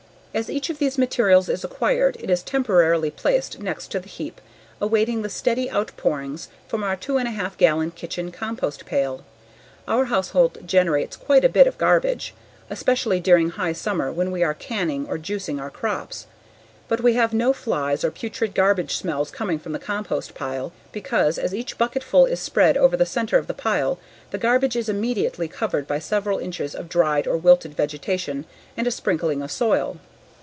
As each of these materials is acquired it is temporarily placed next to the heap awaiting the steady outpourings from our 2 1/2 gallon kitchen compost pail. Our household generates quite a bit of garbage, especially during high summer when we are canning or juicing our crops. But we have no flies or putrid garbage smells coming from the compost pile because as each bucketful is spread over the center of the pile the garbage is immediately covered by several inches of dried or wilted vegetation and a sprinkling of soil.